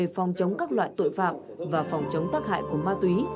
phòng chống các loại tội phạm và phòng chống tác hại của ma túy